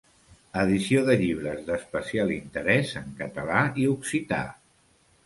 Edició de llibres d'especial interès en català i occità.